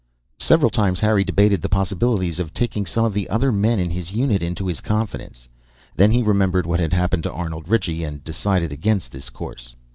Several times Harry debated the possibilities of taking some of the other men in his Unit into his confidence. Then he remembered what had happened to Arnold Ritchie and decided against this course.